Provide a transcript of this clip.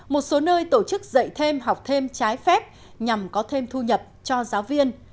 một số nơi tổ chức dạy thêm học thêm trái phép nhằm có thêm thu nhập cho giáo viên